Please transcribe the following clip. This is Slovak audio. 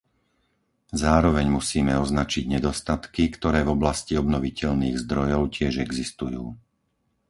Zároveň musíme označiť nedostatky, ktoré v oblasti obnoviteľných zdrojov tiež existujú.